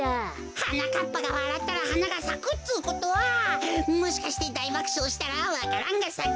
はなかっぱがわらったらはながさくっつうことはもしかしてだいばくしょうしたらわか蘭がさくってか。